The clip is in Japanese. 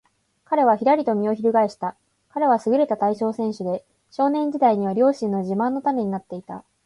彼はひらりと身をひるがえした。彼はすぐれた体操選手で、少年時代には両親の自慢の種になっていた。